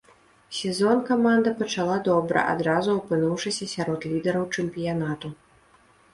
Сезон каманда пачала добра, адразу апынуўшыся сярод лідараў чэмпіянату.